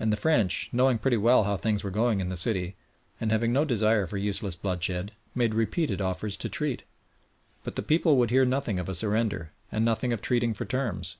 And the French knowing pretty well how things were going in the city, and having no desire for useless bloodshed, made repeated offers to treat. But the people would hear nothing of a surrender, and nothing of treating for terms.